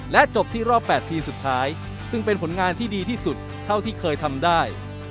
และจบที่รอบ๘ทีมสุดท้ายซึ่งเป็นผลงานที่ดีที่สุดเท่าที่เคยทำได้